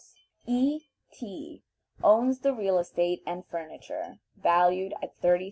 E. T. owns the real estate and furniture, valued at $30,000.